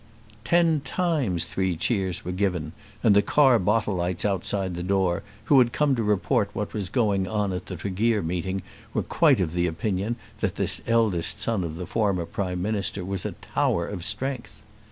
Ten times three cheers were given, and the Carbottleites outside the door who had come to report what was going on at the Tregear meeting were quite of opinion that this eldest son of the former Prime Minister was a tower of strength.